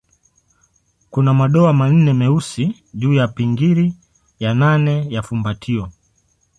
Kuna madoa manne meusi juu ya pingili ya nane ya fumbatio.